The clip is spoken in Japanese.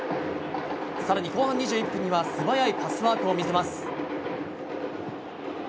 更に後半２１分には素早いパスワークを見せます。